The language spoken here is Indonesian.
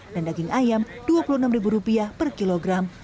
dan daging ayam rp dua puluh enam per kilogram